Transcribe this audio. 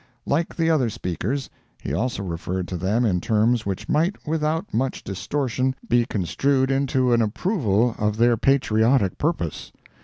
Like the other speakers, he also referred to them in terms which might, without much distortion, be construed into an approval of their patriotic purpose.